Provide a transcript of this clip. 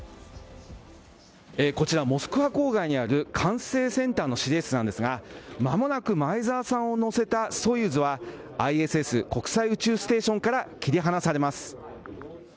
こちらモスクワ郊外にある管制センターの司令室だんですが間もなく前澤さんを乗せたソユーズはＩＳＳ＝国際宇宙ステーションから切り離されます。